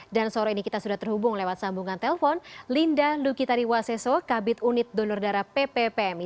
dan sore ini kita sudah terhubung lewat sambungan telpon linda lukitariwaseso kabit unit donor darah pppmi